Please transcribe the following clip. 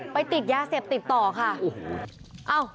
ไปติดยาเสพติดต่อค่ะ